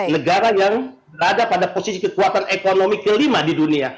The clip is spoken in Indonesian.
negara yang berada pada posisi kekuatan ekonomi kelima di dunia